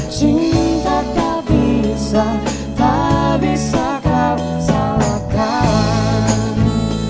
cinta tak bisa tak bisa kau salahkan